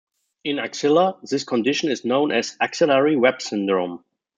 In axilla, this condition is known as axillary web syndrome.